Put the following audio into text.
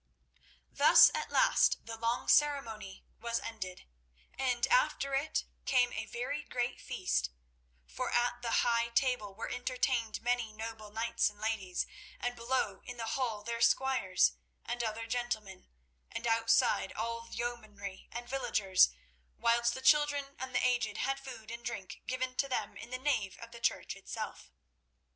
Thus at last the long ceremony was ended, and after it came a very great feast, for at the high table were entertained many noble knights and ladies, and below, in the hall their squires, and other gentlemen, and outside all the yeomanry and villagers, whilst the children and the aged had food and drink given to them in the nave of the church itself.